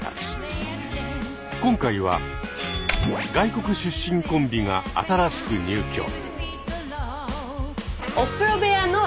今回は外国出身コンビが新しく入居。